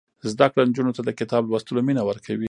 زده کړه نجونو ته د کتاب لوستلو مینه ورکوي.